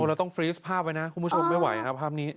เราต้องฟรีสภาพไว้นะคุณผู้ชมไม่ไหวครับภาพนี้